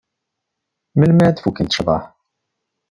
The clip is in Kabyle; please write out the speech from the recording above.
Melmi ad fukkent cḍeḥ?